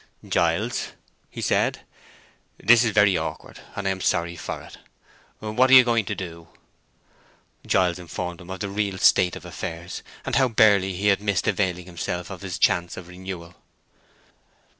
"Giles," he said, "this is very awkward, and I am sorry for it. What are you going to do?" Giles informed him of the real state of affairs, and how barely he had missed availing himself of his chance of renewal.